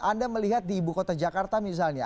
anda melihat di ibu kota jakarta misalnya